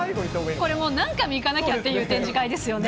これもう、何回も行かなきゃっていう展示会ですよね。